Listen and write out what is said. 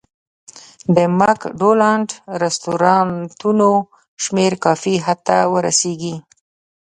د مک ډونالډ رستورانتونو شمېر کافي حد ته ورسېږي.